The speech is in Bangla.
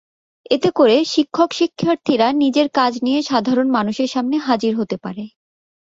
এতে করে শিক্ষক-শিক্ষার্থীরা নিজের কাজ নিয়ে সাধারণ মানুষের সামনে হাজির হতে পারে।